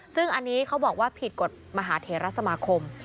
ซึ่งอันนี้เขาบอกว่าผิดกฎมหาเทรสมาคม